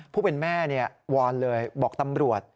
ผู้เป็นแม่วอนเลยบอกตำรวจ